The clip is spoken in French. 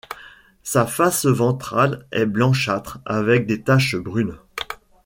Sa face ventrale est blanchâtre avec des taches brunes.